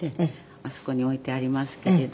あそこに置いてありますけれど。